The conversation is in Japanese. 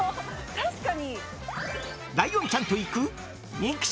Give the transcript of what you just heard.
確かに。